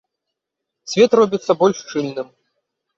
Свет робіцца больш шчыльным.